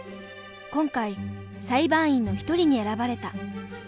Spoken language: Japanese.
今回裁判員の一人に選ばれた。